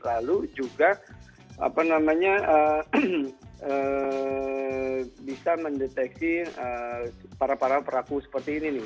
lalu juga apa namanya bisa mendeteksi para para pelaku seperti ini nih